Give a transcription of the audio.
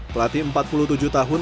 pelatih empat puluh tujuh tahun